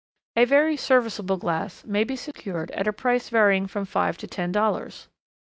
A very serviceable glass may be secured at a price varying from five to ten dollars.